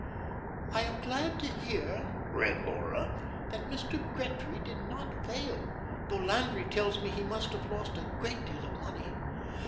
"'I am glad to hear,'" read Laura, "'that Mr. Gretry did not fail, though Landry tells me he must have lost a great deal of money.